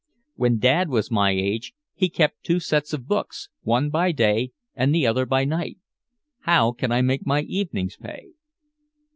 When Dad was my age he kept two sets of books, one by day and the other at night. How can I make my evenings pay?"